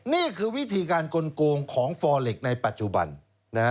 นี่คือวิธีการกลงของฟอเล็กในปัจจุบัน